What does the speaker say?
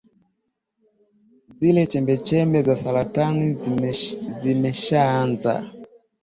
zile chembechembe za saratani zimeshaanza